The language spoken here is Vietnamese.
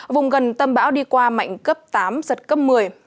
vùng gần tâm bão đi qua mạnh cấp tám giật cấp một mươi